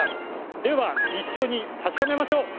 では、一緒に確かめましょう。